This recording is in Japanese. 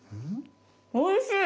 おいしい。